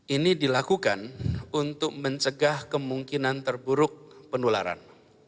ini dilakukan untuk mencegah kemungkinan terburuk penularan